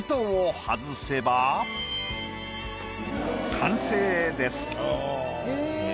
完成です。